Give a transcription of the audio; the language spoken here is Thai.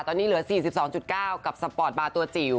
ตอนนี้เหลือ๔๒๙กับสปอร์ตบาร์ตัวจิ๋ว